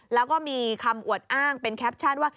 แล้วก็มีคำอวดอ้างเป็นแคปชั่นว่า